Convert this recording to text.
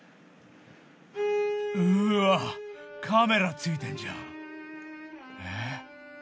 うわカメラついてんじゃんえっ。